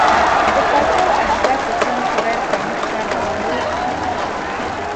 د پاچا او اشرافو سیمو کې غیر قانوني ښکار روان و.